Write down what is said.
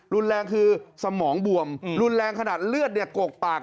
รุนแรงคือสมองบวมรุนแรงขนาดเลือดกกปาก